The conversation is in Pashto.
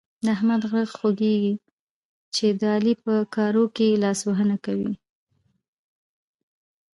د احمد غره خوږېږي چې د علي په کارو کې لاسوهنه کوي.